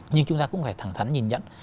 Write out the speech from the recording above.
nhưng chúng ta cũng phải thẳng thắn nhìn nhận